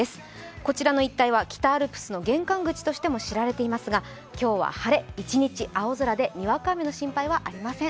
こちらの一帯は北アルプスの玄関口としても知られていますが今日は晴れ、１日青空でにわか雨の心配はありません。